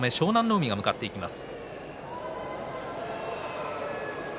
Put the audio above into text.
海が向かっていきます。